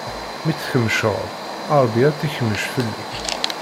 Mi tt-tkemceḍ, Ṛebbi ad tt-ikmec fell-ak.